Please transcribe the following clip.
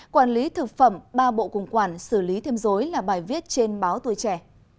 quản lý thực phẩm ba bộ cùng quản xử lý thêm dối là bài viết trên báo tuổi trẻ